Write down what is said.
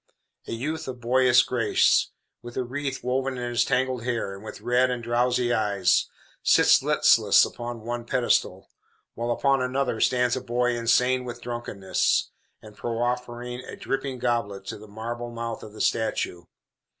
A youth of boyish grace, with a wreath woven in his tangled hair, and with red and drowsy eyes, sits listless upon one pedestal, while upon another stands a boy insane with drunkenness, and proffering a dripping goblet to the marble mouth of the statue.